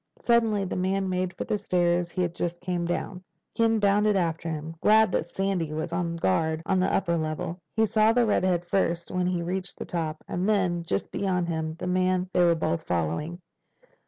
Suddenly the man made for the stairs he had just come down. Ken bounded after him, glad that Sandy was on guard on the upper level. He saw the redhead first when he reached the top and then, just beyond him, the man they were both following.